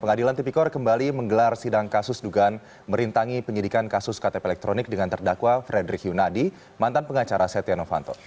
pengadilan tipikor kembali menggelar sidang kasus dugaan merintangi penyidikan kasus ktp elektronik dengan terdakwa frederick yunadi mantan pengacara setia novanto